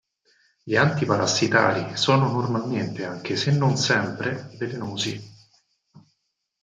Gli antiparassitari sono normalmente, anche se non sempre, velenosi.